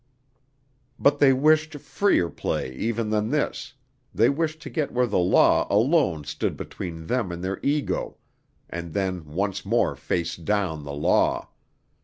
But they wished freer play even than this, they wished to get where the Law alone stood between them and their ego and then once more face down the Law.